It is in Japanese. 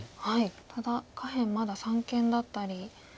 ただ下辺まだ三間だったり。